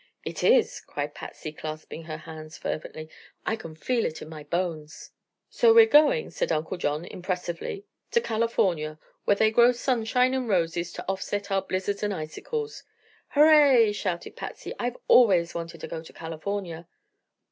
"It is!" cried Patsy, clasping her hands fervently. "I can feel it in my bones." "So we're going," said Uncle John, impressively, "to California where they grow sunshine and roses to offset our blizzards and icicles." "Hurray!" shouted Patsy. "I've always wanted to go to California."